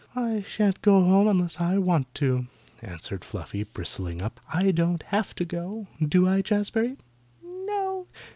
"I shan't go home unless I want to," answered Fluffy, bristling up. "I don't have to go; do I, Jazbury?" "No.